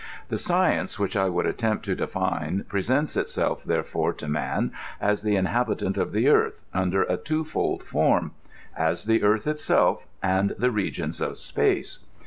The science which I would attempt to define pre sents itself, therefore, to man, as the inhabitant of the earth, under a two fold form — as the earth itself and the regions of space.